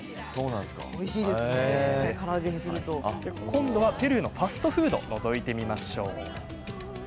今度はペルーのファストフードをのぞいてみましょう。